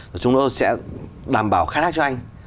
thì chúng tôi sẽ đảm bảo khai thác cho anh